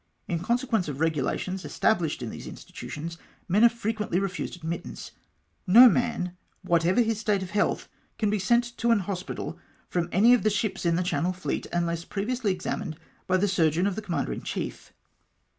In consequence of regulations established in these institutions, men are frequently refused admittance. No man, whatever may be his state of health, can be sent to an hospital from any of the ships in the Channel fleet, unless previously examined by the surgeon of the Commander in chief.